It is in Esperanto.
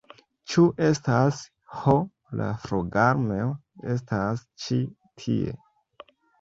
Ĉu estas... ho la flugarmeo estas ĉi tie!